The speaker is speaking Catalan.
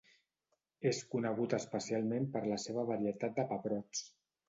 És conegut especialment per la seva varietat de pebrots.